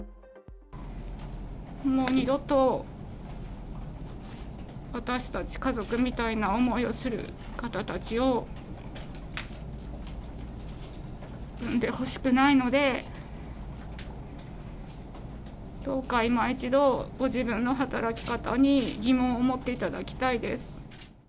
もう二度と、私たち家族みたいな思いをする方たちをうんでほしくないので、どうか今一度、ご自分の働き方に疑問を持っていただきたいです。